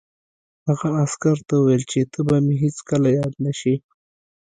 هغه عسکر ته وویل چې ته به مې هېڅکله یاد نه شې